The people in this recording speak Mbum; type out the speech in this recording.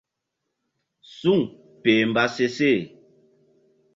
Suŋ peh mba se seh.